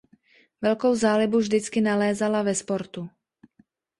Velkou zálibu vždycky nalézala ve sportu.